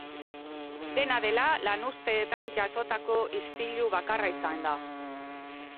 Dena dela, lanuzteetan jazotako istilu bakarra izan da.